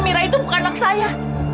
mira itu bukan anak saya